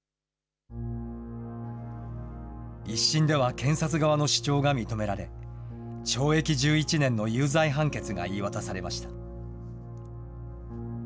１審では検察側の主張が認められ、懲役１１年の有罪判決が言い渡されました。